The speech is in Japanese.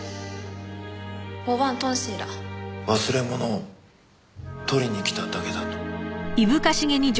忘れ物を取りに来ただけだと。